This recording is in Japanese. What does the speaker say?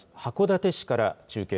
函館市から中継